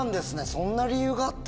そんな理由があったんだ。